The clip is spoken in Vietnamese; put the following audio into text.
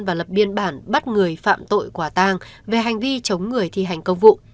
và lập biên bản bắt người phạm tội quả tang về hành vi chống người thi hành công vụ